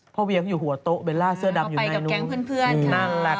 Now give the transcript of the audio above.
พ่อเวียงอยู่หัวโต๊ะเบลลล่าเสื้อดำอยู่ด้านนู้น